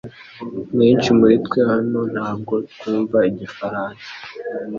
Benshi muritwe hano ntabwo twumva igifaransa